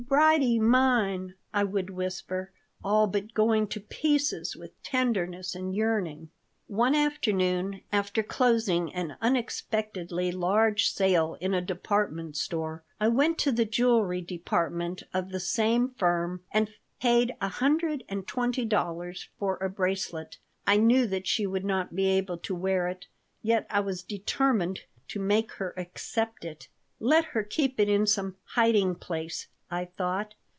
Bridie mine!" I would whisper, all but going to pieces with tenderness and yearning One afternoon, after closing an unexpectedly large sale in a department store, I went to the jewelry department of the same firm and paid a hundred and twenty dollars for a bracelet. I knew that she would not be able to wear it, yet I was determined to make her accept it "Let her keep it in some hiding place," I thought.